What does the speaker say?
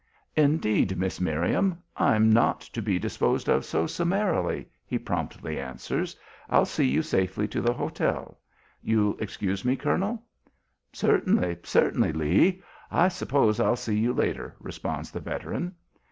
"Indeed, Miss Miriam, I'm not to be disposed of so summarily," he promptly answers. "I'll see you safely to the hotel. You'll excuse me, colonel?" "Certainly, certainly, Lee. I suppose I'll see you later," responds the veteran.